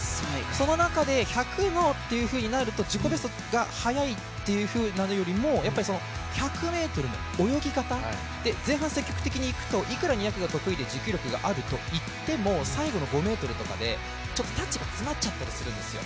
その中で１００のというふうになると自己ベストが速いというよりもやっぱり１００ｍの泳ぎ方、前半、積極的に行くといくら２００が得意で持久力があるといっても、最後の５ｍとかでちょっとタッチが詰まっちゃったりするんですよ。